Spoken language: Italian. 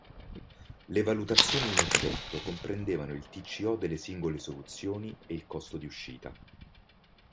Le valutazioni in oggetto comprendevano il TCO delle singole soluzioni e il costo di uscita.